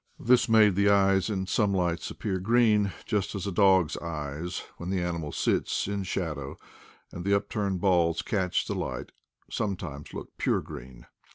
This made the eyes in some lights appear green, just as a dog's eyes, when the animal sits in shadow and the upturned balls catch the light, sometimes look pure green.